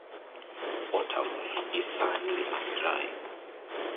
Autumn is sunny and dry.